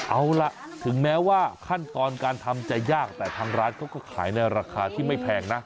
เอาล่ะถึงแม้ว่าขั้นตอนการทำจะยากแต่ทางร้านเขาก็ขายในราคาที่ไม่แพงนะ